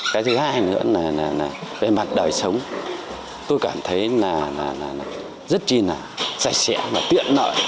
cái thứ hai nữa là về mặt đời sống tôi cảm thấy là rất chi là sạch sẽ và tiện nợ